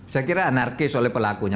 saya kira anarkis oleh pelakunya